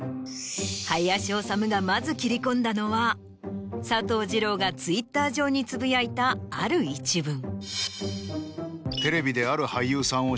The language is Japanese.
林修がまず切り込んだのは佐藤二朗がＴｗｉｔｔｅｒ上につぶやいたある一文。